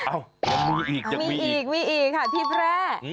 อ้าวเดี๋ยวยังมีอีกยังมีอีกมีอีกมีอีกไหมพี่แพร่